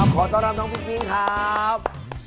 ขอต้อนรับน้องปุ๊กปิ้งครับ